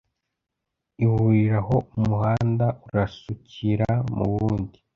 ihurira aho umuhanda urasukira mu wundi